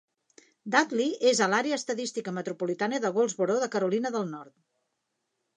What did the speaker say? Dudley és a l'àrea estadística metropolitana de Goldsboro de Carolina del Nord.